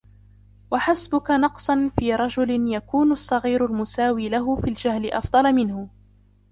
وَحَسْبُك نَقْصًا فِي رَجُلٍ يَكُونُ الصَّغِيرُ الْمُسَاوِي لَهُ فِي الْجَهْلِ أَفْضَلَ مِنْهُ